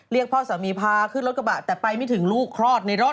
พ่อสามีพาขึ้นรถกระบะแต่ไปไม่ถึงลูกคลอดในรถ